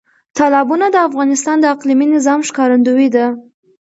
تالابونه د افغانستان د اقلیمي نظام ښکارندوی ده.